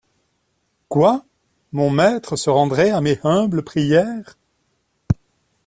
Quoi ! mon maître se rendrait à mes humbles prières ?